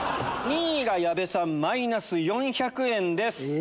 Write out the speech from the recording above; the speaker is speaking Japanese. ２位が矢部さんマイナス４００円です。